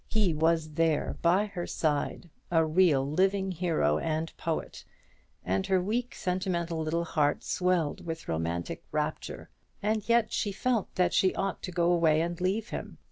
He was there by her side, a real living hero and poet, and her weak sentimental little heart swelled with romantic rapture; and yet she felt that she ought to go away and leave him.